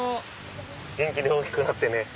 元気で大きくなってね！